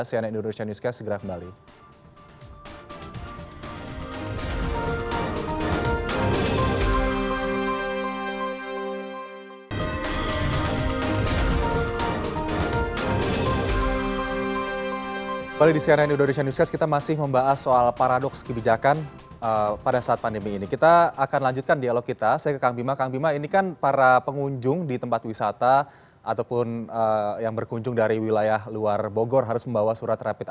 sianai indonesia newscast segera kembali